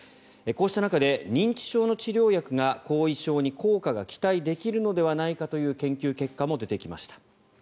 こうした中で認知症の治療薬が後遺症に効果が期待できるのではないかという研究結果も出てきました。